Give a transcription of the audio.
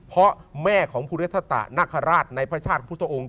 เพราะแม่ของภูริทตะนคราชในพระชาติพุทธองค์